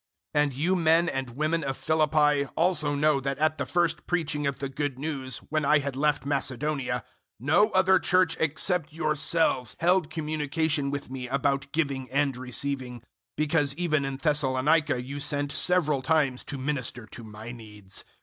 004:015 And you men and women of Philippi also know that at the first preaching of the Good News, when I had left Macedonia, no other Church except yourselves held communication with me about giving and receiving; 004:016 because even in Thessalonica you sent several times to minister to my needs.